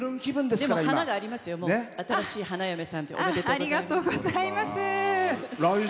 でも、華がありますよ新しい花嫁さんおめでとうございます。